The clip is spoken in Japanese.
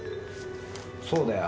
そうだよ。